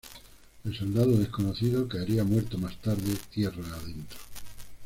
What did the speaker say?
El soldado desconocido caería muerto más tarde, tierra adentro.